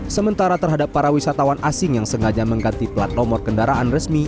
sementara terhadap para wisatawan asing yang sengaja mengganti plat nomor kendaraan resmi